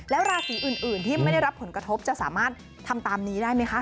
แล้วราศีอื่นที่ไม่ได้รับผลกระทบจะสามารถทำตามนี้ได้ไหมคะ